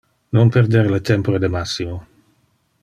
Non perder le tempore de Massimo.